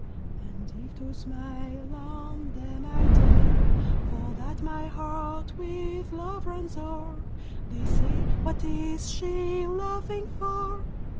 And if to smile on them I dare, For that my heart with love runs o'er, They say: "What is she laughing for?"